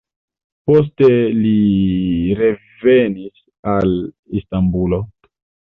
Poste li revenis al Istanbulo.